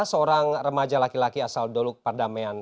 seorang remaja laki laki asal doluk pardamaian